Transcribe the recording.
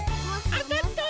あたった！